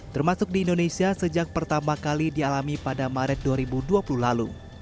termasuk di indonesia sejak pertama kali dialami pada maret dua ribu dua puluh lalu